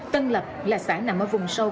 tân lập là xã nằm ở vùng sâu